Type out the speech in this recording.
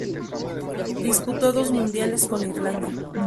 Disputó dos Mundiales con Irlanda.